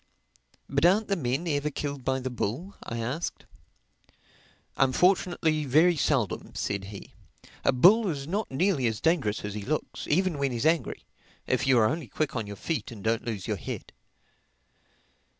"But aren't the men ever killed by the bull?" I asked. "Unfortunately very seldom," said he. "A bull is not nearly as dangerous as he looks, even when he's angry, if you are only quick on your feet and don't lose your head.